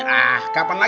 kapan lagi makan bebek